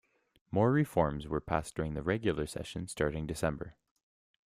More reforms were passed during the regular session starting December.